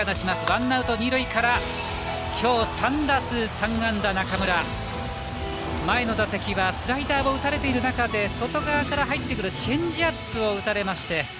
ワンアウト二塁からきょう３打数３安打の中村前の打席はスライダーを打たれている中で外側から入ってくるチェンジアップを打たれました。